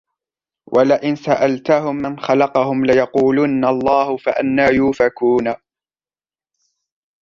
وَلَئِنْ سَأَلْتَهُمْ مَنْ خَلَقَهُمْ لَيَقُولُنَّ اللَّهُ فَأَنَّى يُؤْفَكُونَ